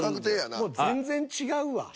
もう全然違うわ。